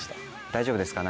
大丈夫ですか？